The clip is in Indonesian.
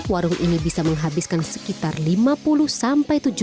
warung ini bisa menghabiskan sekitar lima puluh sampai